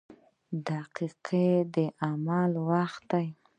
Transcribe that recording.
• دقیقه د عمل وخت دی.